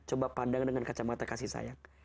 coba pandang dengan kacamata kasih sayang